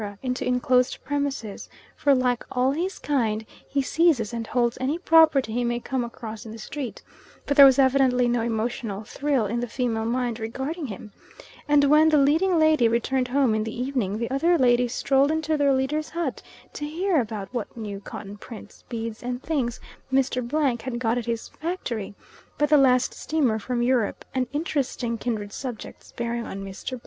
into enclosed premises, for, like all his kind, he seizes and holds any property he may come across in the street, but there was evidently no emotional thrill in the female mind regarding him, and when the leading lady returned home in the evening the other ladies strolled into their leader's hut to hear about what new cotton prints, beads, and things Mr. had got at his factory by the last steamer from Europe, and interesting kindred subjects bearing on Mr.